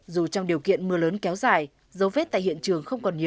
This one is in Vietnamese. dù trong điều kiện mưa lớn kéo dài dấu vết tại hiện trường không còn được tìm ra